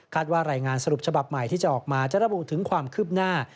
ว่ารายงานสรุปฉบับใหม่ที่จะออกมาจะระบุถึงความคืบหน้า